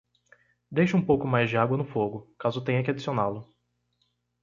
Deixe um pouco mais de água no fogo, caso tenha que adicioná-lo.